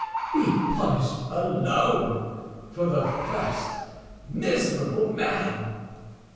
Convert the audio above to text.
"Be punished alone, for the first, miserable man!"